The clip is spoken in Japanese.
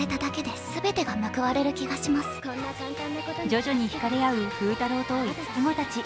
徐々にひかれ合う風太郎と５つ子たち。